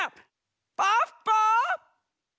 ポッポ！